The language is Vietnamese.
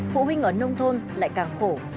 phụ huynh ở nông thôn lại càng khổ